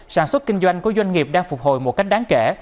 sản xuất kinh doanh của doanh nghiệp đang phục hồi một cách đáng kể